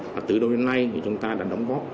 và từ đầu đến nay thì chúng ta đã đóng góp